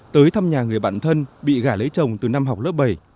tới thăm nhà người bạn thân bị gả lấy chồng từ năm học lớp bảy